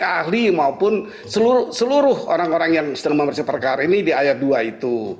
ahli maupun seluruh orang orang yang sedang memersih perkara ini di ayat dua itu